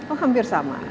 oh hampir sama